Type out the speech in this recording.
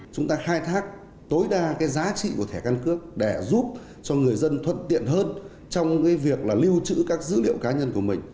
chúng ta khai thác tối đa cái giá trị của thẻ căn cước để giúp cho người dân thuận tiện hơn trong cái việc là lưu trữ các dữ liệu cá nhân của mình